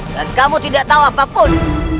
dan kamu tidak tahu apapun